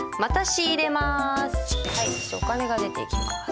お金が出ていきます。